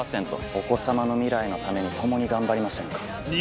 お子様の未来のために共に頑張りませんか？